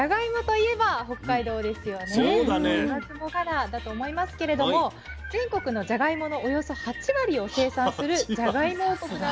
言わずもがなだと思いますけれども全国のじゃがいものおよそ８割を生産するじゃがいも王国なんです。